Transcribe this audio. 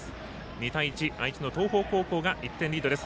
２対１、愛知の東邦高校が１点リードです。